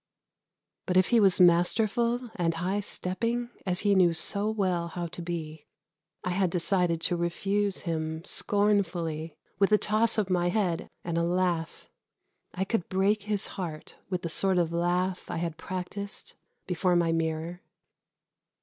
But if he was masterful and high stepping, as he knew so well how to be, I had decided to refuse him scornfully with a toss of my head and a laugh. I could break his heart with the sort of laugh I had practised before my mirror.